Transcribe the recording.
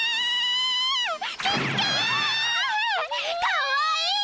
かわいい！